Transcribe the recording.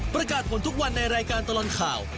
ประกาศผลทุกวันในรายการตลอดข่าว